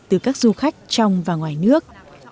từ các du khách trong và ngoài nước